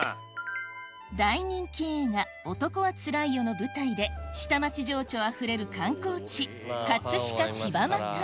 大人気映画『男はつらいよ』の舞台で下町情緒あふれる観光地葛飾・柴又